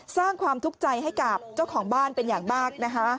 สร้างความทุกข์ใจให้กับเจ้าของบ้านเป็นอย่างมากนะคะ